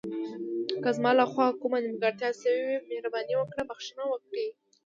که زما له خوا کومه نیمګړتیا شوې وي، مهرباني وکړئ بښنه وکړئ.